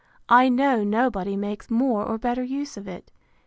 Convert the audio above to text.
I know nobody makes more or better use of it.